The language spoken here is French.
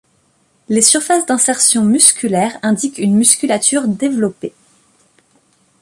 Les surfaces d'insertion musculaire indiquent une musculature développée.